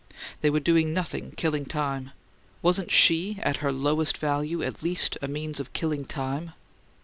They were doing nothing, killing time. Wasn't she at her lowest value at least a means of killing time?